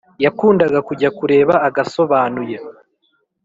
Yakundaga kujya kureba agasobanuye